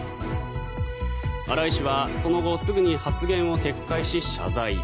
荒井氏はその後すぐに発言を撤回し、謝罪。